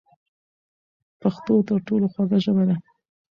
پښتو تر ټولو خوږه ژبه ده.